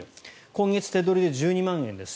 今月手取りで１２万円です